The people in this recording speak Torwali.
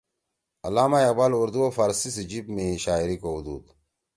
علامہ اقبال اُردو او فارسی جیِب می شاعری کؤدُود